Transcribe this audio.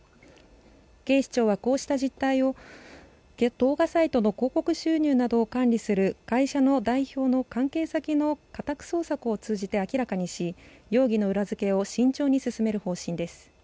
警視庁は、こうした実態を動画サイトの広告収入などを管理する会社の代表の関係先の家宅捜索を通じて明らかにし容疑の裏付けを慎重に進める方針です。